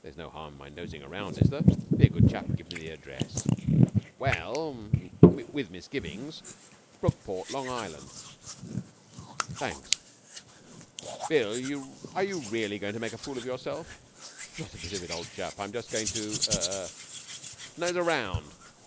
'There's no harm in my nosing round, is there? Be a good chap and give me the address.' 'Well' with misgivings 'Brookport, Long Island.' 'Thanks.' 'Bill, are you really going to make a fool of yourself?' 'Not a bit of it, old chap. I'm just going to er ' 'To nose round?'